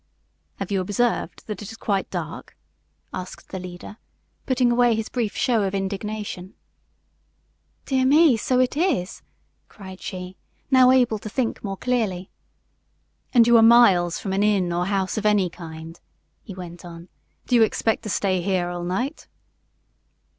"Have you observed that it is quite dark?" asked the leader, putting away his brief show of indignation. "Dear me; so it is!" cried she, now able to think more clearly. "And you are miles from an inn or house of any kind," he went on. "Do you expect to stay here all night?"